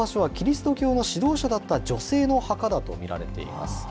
この場所はキリスト教の指導者だった女性の墓だと見られています。